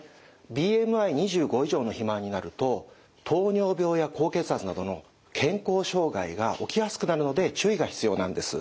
ＢＭＩ２５以上の肥満になると糖尿病や高血圧などの健康障害が起きやすくなるので注意が必要なんです。